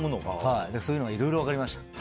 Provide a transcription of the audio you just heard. そういうのがいろいろ分かりました。